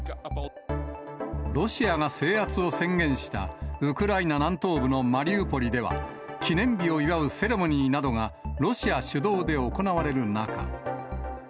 ロシアが制圧を宣言したウクライナ南東部のマリウポリでは、記念日を祝うセレモニーなどが、ロシア主導で行われる中。